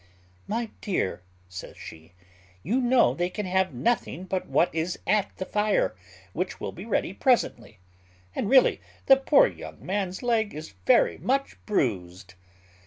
"My dear," says she, "you know they can have nothing but what is at the fire, which will be ready presently; and really the poor young man's leg is very much bruised."